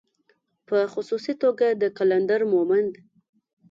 په خصوصي توګه د قلندر مومند